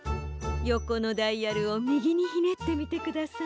よこのダイヤルをみぎにひねってみてください。